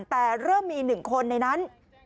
แต่เริ่มมี๑คนในนั้น